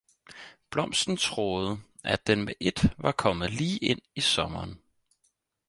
Blomsten troede, at den med et var kommet lige ind i sommeren.